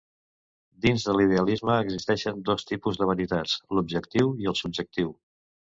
Dins de l'idealisme existeixen dos tipus de varietats: l'objectiu i el subjectiu.